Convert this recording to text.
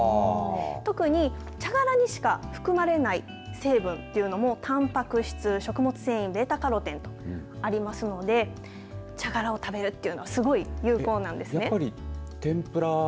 特に茶殻にしか含まれない成分というのもたんぱく質、食物繊維ベータカロテンとありますので茶殻を食べるというのはすごい有効なんですね。